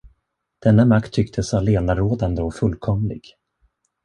Denna makt tycktes allenarådande och fullkomlig.